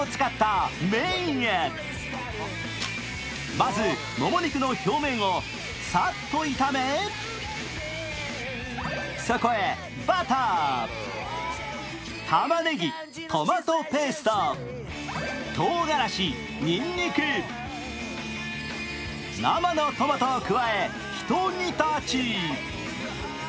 まずもも肉の表面をさっと炒めそこへバター、たまねぎ、トマトペースト、とうがらし、にんにく、生のトマトを加え、ひと煮立ち。